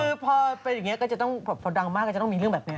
คือพอเป็นอย่างนี้ก็จะต้องแบบพอดังมากก็จะต้องมีเรื่องแบบนี้